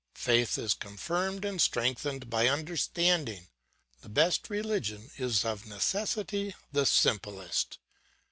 Faith is confirmed and strengthened by understanding; the best religion is of necessity the simplest.